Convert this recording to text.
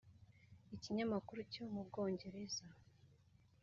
ikinyamakuru cyo mu Bwongereza